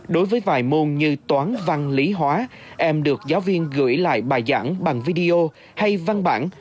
đối với vài môn như toán văn lý hóa em được giáo viên gửi lại bài giảng bằng video hay văn bản